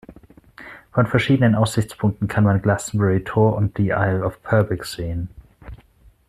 Von verschiedenen Aussichtspunkten kann man Glastonbury Tor und die Isle of Purbeck sehen.